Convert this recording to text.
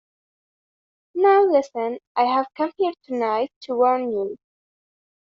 Now listen: I have come here to-night to warn you.